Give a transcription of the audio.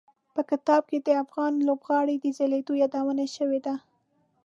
په کتاب کې د افغان لوبغاړو د ځلېدو یادونه شوي ده.